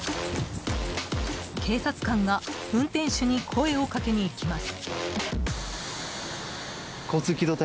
警察官が運転手に声をかけにいきます。